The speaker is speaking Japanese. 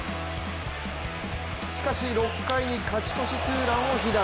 しかし６回に勝ち越しツーランを被弾。